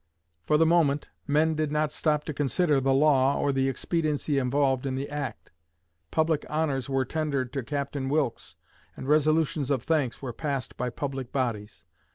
For the moment, men did not stop to consider the law or the expediency involved in the act. Public honors were tendered to Captain Wilkes, and resolutions of thanks were passed by public bodies.